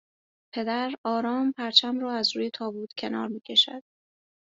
پدر آرام پرچم را از روی تابوت کنار میکشد